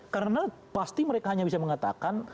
karena pasti mereka hanya bisa mengatakan